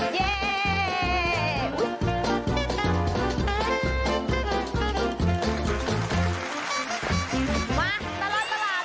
ชั่วตลอดตลาด